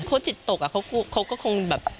คนจิตตกเค้าก็คงแบบ